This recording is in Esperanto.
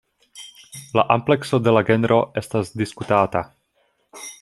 La amplekso de la genro estas diskutata.